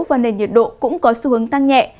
và nền nhiệt độ cũng có xu hướng tăng nhẹ